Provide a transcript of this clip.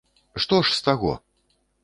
Што ж з таго!